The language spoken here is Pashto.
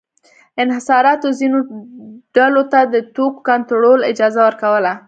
انحصاراتو ځینو ډلو ته د توکو کنټرول اجازه ورکوله.